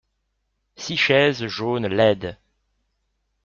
Six chaises jaunes laides.